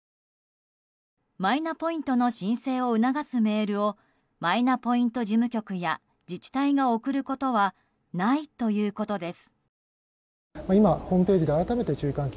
マイナポイントの申請を促すメールをマイナポイント事務局や自治体が送ることないということです。